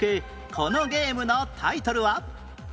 このゲームのタイトルは？